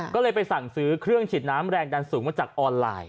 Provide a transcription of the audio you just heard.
ก็เลยไปสั่งซื้อเครื่องฉีดน้ำแรงดันสูงมาจากออนไลน์